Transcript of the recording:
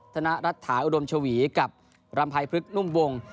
ธนรัฐฐาอุดมชาวีกับรำไพพลึกนุ่มวง